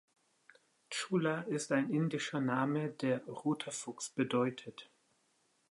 Chula ist ein indischer Name, der „roter Fuchs“ bedeutet.